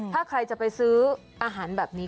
ถ้าใครจะไปซื้ออาหารแบบนี้